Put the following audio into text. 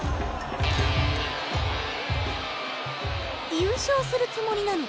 優勝するつもりなのかな。